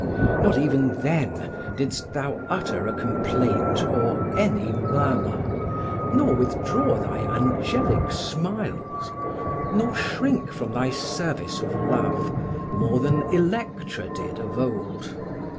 —not even then didst thou utter a complaint or any murmur, nor withdraw thy angelic smiles, nor shrink from thy service of love, more than Electra did of old.